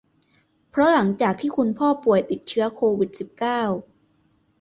เพราะหลังจากที่คุณพ่อป่วยติดเชื้อโควิด สิบเก้า